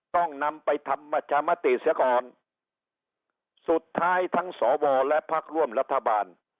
ต้องนำไปทำประชามติเสียก่อนสุดท้ายทั้งสวและพักร่วมรัฐบาล